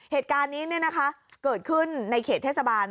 เหตุการณ์นี้เนี่ยนะคะเกิดขึ้นในเขตเทศบาล